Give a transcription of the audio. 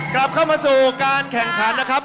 กลับเข้ามาสู่การแข่งขันนะครับ